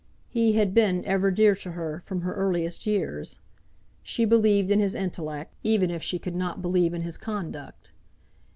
He had been ever dear to her from her earliest years. She believed in his intellect, even if she could not believe in his conduct.